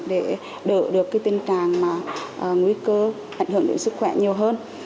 để đỡ được tình trạng mà nguy cơ ảnh hưởng đến sức khỏe nhiều hơn